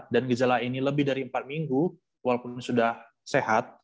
dan gejala ini lebih dari empat minggu walaupun sudah sehat